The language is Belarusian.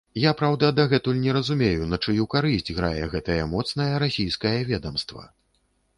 Я, праўда, дагэтуль не разумею, на чыю карысць грае гэтае моцнае расійскае ведамства.